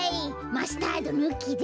マスタードぬきで。